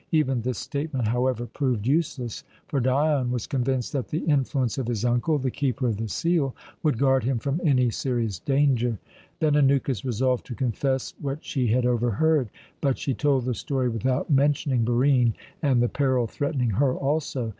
Even this statement, however, proved useless, for Dion was convinced that the influence of his uncle, the Keeper of the Seal, would guard him from any serious danger. Then Anukis resolved to confess what she had overheard; but she told the story without mentioning Barine, and the peril threatening her also.